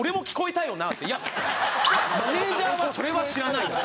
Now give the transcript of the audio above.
いやマネジャーはそれは知らないよ。